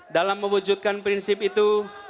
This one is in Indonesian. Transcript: dalam mewujudkan prinsip itu